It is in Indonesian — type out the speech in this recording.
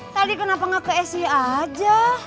tadi kenapa gak ke si aja